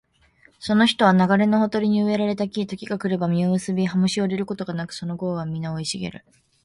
その人は流れのほとりに植えられた木、時が来れば実を結び、葉もしおれることがなく、その業はみな生い茂る